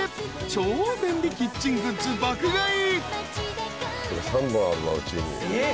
［超便利キッチングッズ爆買い］